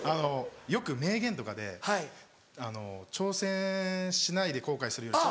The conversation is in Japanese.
よく名言とかで「挑戦しないで後悔するより挑戦したほうが」。